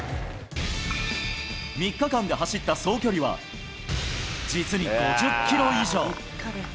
３日間で走った総距離は、実に５０キロ以上。